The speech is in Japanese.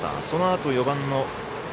そのあと４番の。